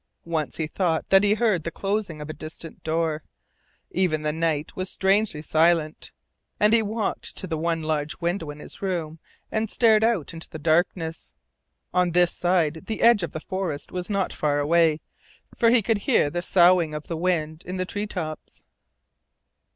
Once he thought that he heard the closing of a distant door. Even the night was strangely silent, and he walked to the one large window in his room and stared out into the darkness. On this side the edge of the forest was not far away, for he could hear the soughing of the wind in the treetops.